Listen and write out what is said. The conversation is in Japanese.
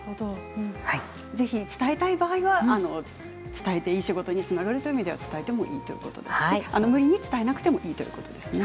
伝えたい場合は伝えていい仕事につなげるという場合は伝えても無理に伝えなくてもいいということですね。